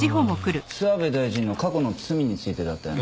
諏訪部大臣の過去の罪についてだったよな？